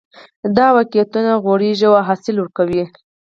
دا واقعیتونه غوړېږي او حاصل ورکوي